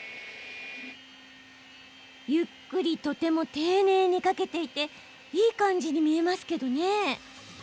ゆっくりとても丁寧にかけていていい感じに見えますけどね。